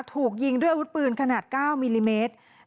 ถูกยิงด้วยอาวุธปืนขนาด๙มิลลิเมตร